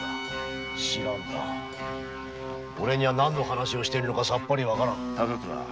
知らんな何の話をしているのかさっぱりわからん。